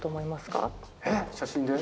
えっ写真で？